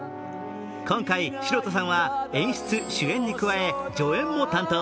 今回、城田さんは演出・主演に加え助演も担当。